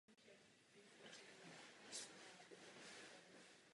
Největší ateliér je každoročně místem udílení ruské národní filmové ceny Zlatý orel.